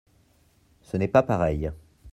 Ce n’est pas pareil.